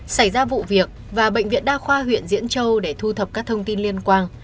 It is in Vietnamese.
xảy ra vụ việc và bệnh viện đa khoa huyện diễn châu để thu thập các thông tin liên quan